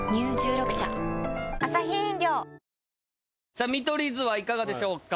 さあ見取り図はいかがでしょうか？